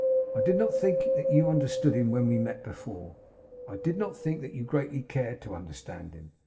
I did not think that you understood him when we met before. I did not think that you greatly cared to understand him.